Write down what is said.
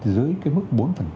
dưới cái mức bốn